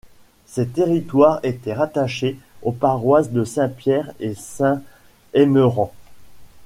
Ces territoires étaient rattachés aux paroisses de Saint-Pierre et Saint-Emmeran.